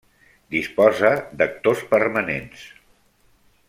Disposa d'actors permanents.